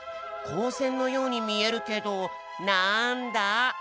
こうせんのように見えるけどなんだ？